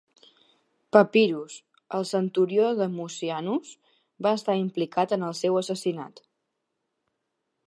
Papirus, el centurió de Mucianus, va estar implicat en el seu assassinat.